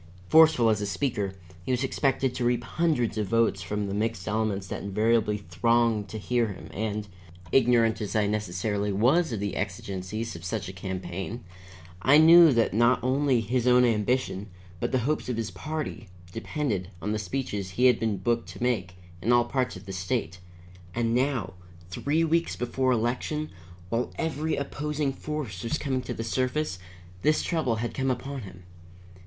Forceful as a speaker, he was expected to reap hundreds of votes from the mixed elements that invariably thronged to hear him, and, ignorant as I necessarily was of the exigencies of such a campaign, I knew that not only his own ambition, but the hopes of his party, depended on the speeches he had been booked to make in all parts of the state. And now, three weeks before election, while every opposing force was coming to the surface, this trouble had come upon him.